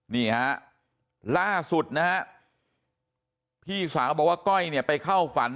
นี่ฮะล่าสุดนะฮะพี่สาวบอกว่าก้อยเนี่ยไปเข้าฝัน